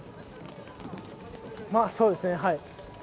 まぁそうですね、はい。